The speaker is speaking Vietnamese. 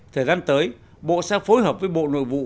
thời gian tới bộ sẽ phối hợp với bộ nội vụ